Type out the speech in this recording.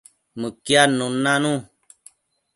Mëquiadnun nanu